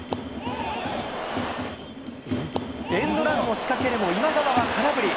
エンドランを仕掛けるも、今川は空振り。